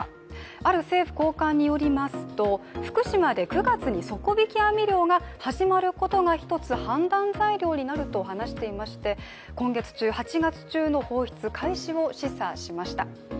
ある政府高官によりますと福島で９月に底引き網漁が始まることが一つ、判断材料になると話していまして今月中、８月中の開始を示唆しました。